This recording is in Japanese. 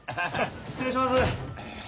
失礼します！